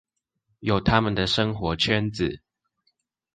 有他們的生活圈子